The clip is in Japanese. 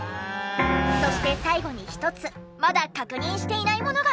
そして最後に一つまだ確認していないものが！